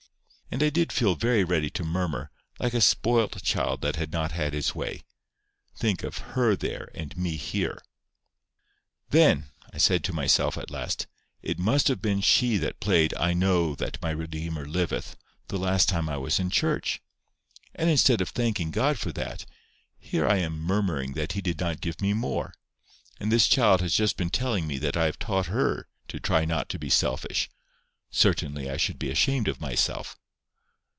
And I did feel very ready to murmur, like a spoilt child that had not had his way. Think of HER there, and me here! "Then," I said to myself at last, "it must have been she that played I know that my Redeemer liveth, that last time I was in church! And instead of thanking God for that, here I am murmuring that He did not give me more! And this child has just been telling me that I have taught her to try not to be selfish. Certainly I should be ashamed of myself."